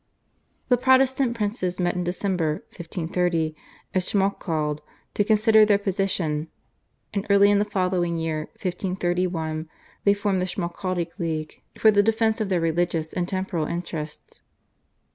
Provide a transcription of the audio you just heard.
The Protestant princes met in December (1530) at Schmalkald to consider their position, and early in the following year (1531) they formed the Schmalkaldic League for the defence of their religious and temporal interests.